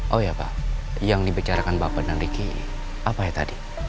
oh ya pak yang dibicarakan bapak dan ricky apa ya tadi